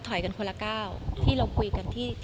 ถอยกันคนละก้าวที่เราคุยกันที่